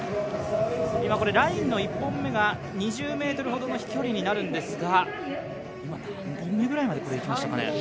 今、ラインの１本目が２０ｍほどの飛距離になるんですが今、何本目ぐらいまでいきましたかね。